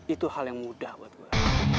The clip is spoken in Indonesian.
itu hal yang mudah buat gue